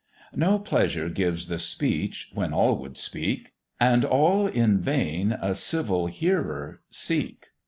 No pleasure gives the speech, when all would speak, And all in vain a civil hearer seek.